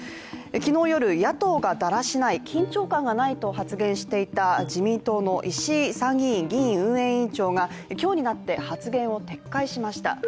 昨日夜、野党がだらしない、緊張感がないと発言していた自民党の石井参議院議院運営委員長ですが今日になって発言を撤回しました。